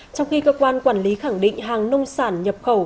trong khi cơ quan quản lý khẳng định hàng nông sản nhập khẩu